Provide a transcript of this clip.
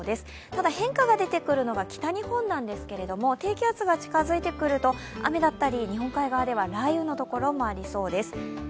ただ、変化が出てくるのが北日本なんですけども、低気圧が近付いてくると雨だったり日本海側では雷雨の所もありそうです。